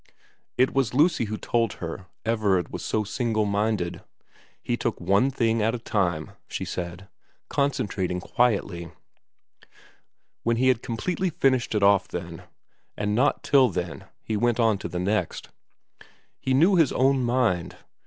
It was Lucy who told her Everard was so single minded. He took one thing at a time, she said, concentrating quietly. 100 VERA x When he had completely finished it off then, and not till then, he went on to the next. He knew hia own mind.